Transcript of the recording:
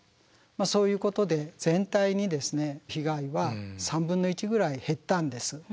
そういうことで全体に被害は３分の１ぐらい減ったんです。